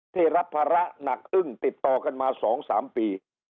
ที่รับภาระหนักอึ้งติดต่อกันมา๒๓ปี